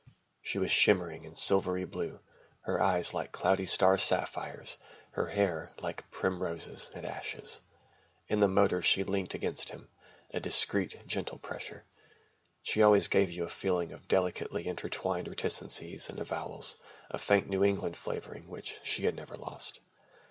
She was shimmering in silvery blue, her eyes like cloudy star sapphires, her hair like primroses and ashes. In the motor she leant against him, a discreet gentle pressure. She always gave you a feeling of delicately intertwined reticencies and avowals, a faint New England flavouring which she had never lost.